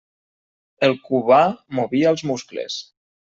El Cubà movia els muscles.